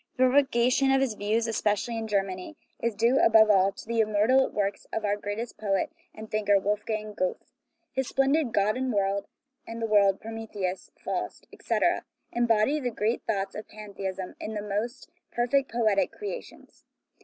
The propagation of his views, especially in Germany, is due, above all, to the immortal works of our greatest poet and thinker, Wolfgang Goethe. His splendid God and the World, Prometheus, Faust, etc., embody the great thoughts of pantheism in the most perfect poetic crea tions.